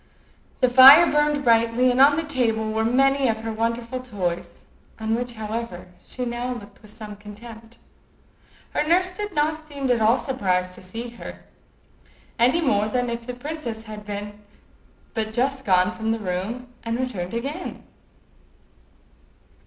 The fire burned brightly, and on the table were many of her wonderful toys, on which, however, she now looked with some contempt. Her nurse did not seem at all surprised to see her, any more than if the princess had but just gone from the room and returned again.